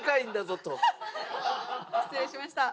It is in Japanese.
失礼しました。